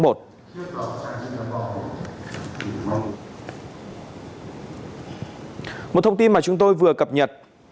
một thông tin mà chúng tôi vừa cập nhật